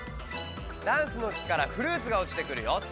ダンスの木からフルーツがおちてくるよ。